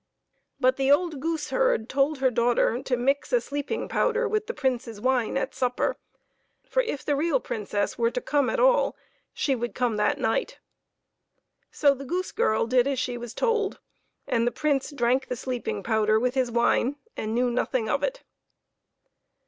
But the old goose herd told her daughter to mix a sleeping powder with the Prince's wine at supper, for, if the real Princess were to come at all, she would come that night. So the goose girl did as she was told, and the Prince drank the sleeping powder with his wine, and knew nothing of it.